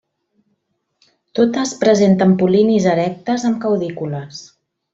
Totes presenten pol·linis erectes amb caudícules.